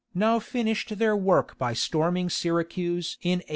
now finished their work by storming Syracuse in 878.